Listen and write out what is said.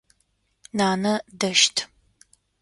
Нанэ дэщт.